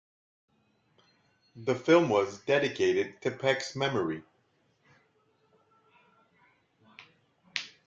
The film was dedicated to Peck's memory.